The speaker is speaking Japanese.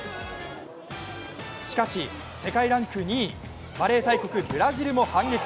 しかし、世界ランク２位、バレー大国ブラジルも反撃。